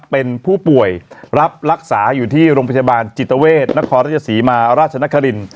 เป็นผู้ป่วยรับรักษาอยู่ที่โรงพยาบาลจิตเวทนครราชศรีมาราชนคริน